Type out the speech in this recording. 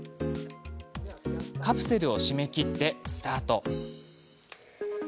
カプセルを閉めきってスタート。